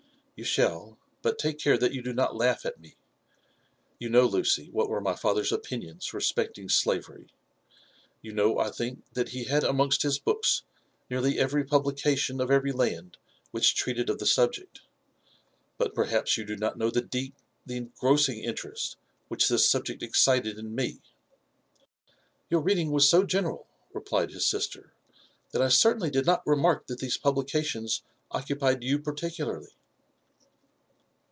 *''' You shall ; but take care that you do not laugh at me. You know, Luey, what were my father's opinions reapecting slavery. You know, I think, that he had amongst his books nearly every publication of every land which treated of the subject; but perhaps you do nol know the deep, the engrossing interest which this subject excited ia me?" " Your reading was so general," replied his sister, ''that I cer tainly did not remark that these publications occupied you particu larly."